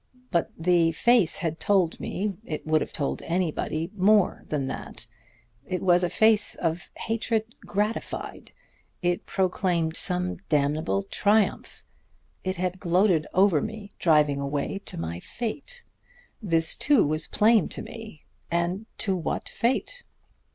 But the face had told me it would have told anybody more than that. It was a face of hatred gratified, it proclaimed some damnable triumph. It had gloated over me driving away to my fate. This too was plain to me. And to what fate?